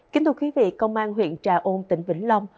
kính thưa quý vị công an huyện trà ôn tỉnh vĩnh long